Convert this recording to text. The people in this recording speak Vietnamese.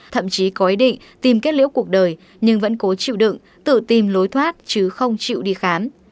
thậm chí có ý định tìm kết liễu cuộc đời nhưng vẫn cố chịu đựng tự tìm lối thoát chứ không chịu đi khám